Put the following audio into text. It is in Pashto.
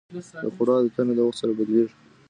د خوړو عادتونه د وخت سره بدلېږي.